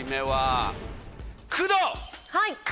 はい。